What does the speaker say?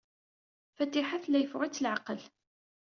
Fatiḥa tella yeffeɣ-itt leɛqel.